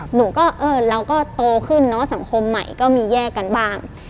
หนูก็เออเราก็โตขึ้นเนอะสังคมใหม่ก็มีแยกกันบ้าง